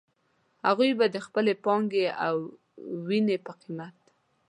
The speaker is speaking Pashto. هغوی به د خپلې پانګې او وينې په قيمت.